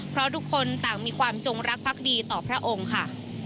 เพราะทุกคนต่างมีความจงรักภักดีต่อพระองค์ค่ะ